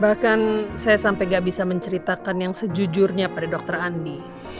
bahkan saya sampai gak bisa menceritakan yang sejujurnya pada dokter andi